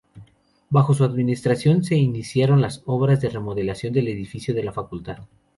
Bajo su administración, se iniciaron las obras de remodelación del edificio de la Facultad.